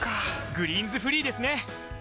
「グリーンズフリー」ですね！